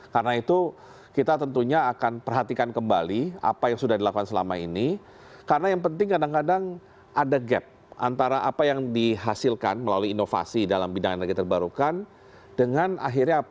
karena itu kita tentunya akan perhatikan kembali apa yang sudah dilakukan selama ini karena yang penting kadang kadang ada gap antara apa yang dihasilkan melalui inovasi dalam bidang energi terbarukan dengan akhirnya apa